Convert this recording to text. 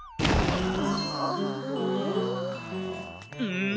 うん？